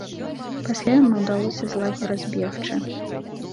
Пасля яму ўдалося з лагера збегчы.